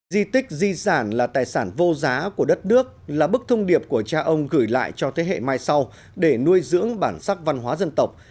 di tích di sản là tài sản vô giá của đất nước là bức thông điệp của cha ông gửi lại cho thế hệ mai sau để nuôi dưỡng bản sắc văn hóa dân tộc